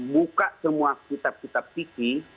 buka semua kitab kitab fikir